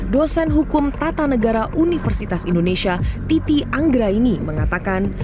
dosen hukum tata negara universitas indonesia titi anggraini mengatakan